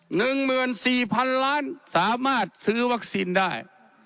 หนึ่งหมื่นสี่พันล้านสามารถซื้อวัคซีนได้